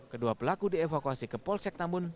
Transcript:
kedua pelaku dievakuasi ke polsek tambun